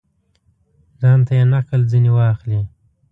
ځانته یې نقل ځني واخلي.